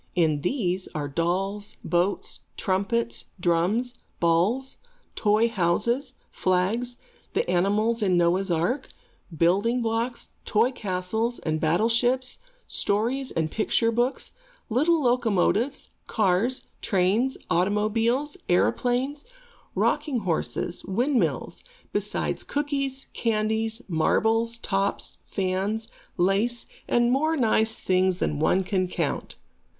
In this are dolls, boats, trumpets, drums, balls, toy houses, flags, the animals in Noah's Ark, building blocks, toy castles and battleships, story and picture books, little locomotives, cars, trains, automobiles, aeroplanes, rocking horses, windmills, besides cookies, candies, marbles, tops, fans, lace, and more nice things than one can count.